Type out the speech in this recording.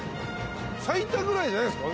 最多ぐらいじゃないですか